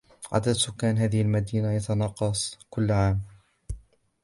عدد سكان هذه المدينة يتناقص كل عام.